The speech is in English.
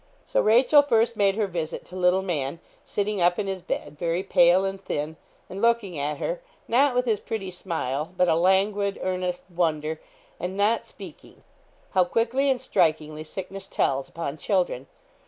So Rachel first made her visit to little man, sitting up in his bed, very pale and thin, and looking at her, not with his pretty smile, but a languid, earnest wonder, and not speaking. How quickly and strikingly sickness tells upon children.